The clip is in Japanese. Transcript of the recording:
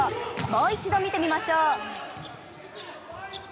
もう一度見てみましょう。